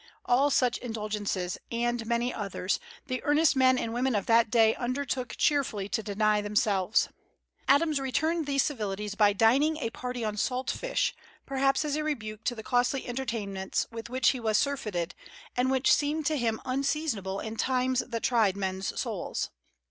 All such indulgences, and many others, the earnest men and women of that day undertook cheerfully to deny themselves. Adams returned these civilities by dining a party on salt fish, perhaps as a rebuke to the costly entertainments with which he was surfeited, and which seemed to him unseasonable in "times that tried men's souls."